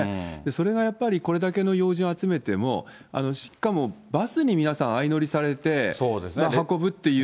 それがやっぱり、これだけの要人を集めても、しかもバスに皆さん、レセプションとかね。